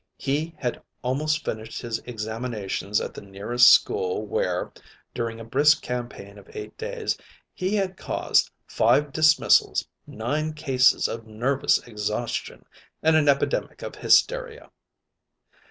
He had almost finished his examinations at the nearest school where, during a brisk campaign of eight days, he had caused five dismissals, nine cases of nervous exhaustion, and an epidemic of hysteria.